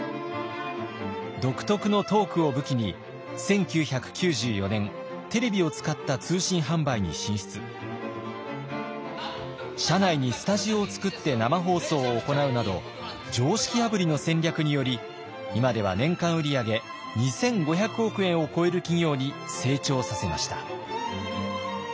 独特のトークを武器に社内にスタジオを作って生放送を行うなど常識破りの戦略により今では年間売り上げ２，５００億円を超える企業に成長させました。